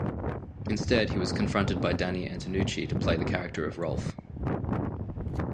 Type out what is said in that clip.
Instead he was confronted by Danny Antonucci to play the character of Rolf.